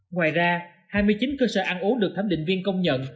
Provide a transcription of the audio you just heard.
ngoài ra hai mươi chín cơ sở ăn uống được thấm định viên công nhận